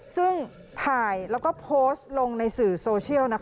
ซึ่งถ่ายแล้วก็โพสต์ลงในสื่อโซเชียล